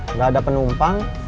nggak ada penumpang